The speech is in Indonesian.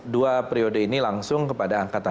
dua periode ini langsung kepada angkatan